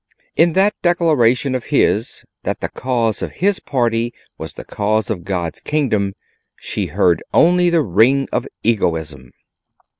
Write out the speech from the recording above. In that declaration of his, that the cause of his party was the cause of God's kingdom, she heard only the ring of egoism.